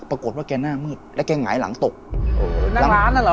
ปรากฏว่าแกหน้ามืดและแกหงายหลังตกนั่งร้านน่ะเหรอ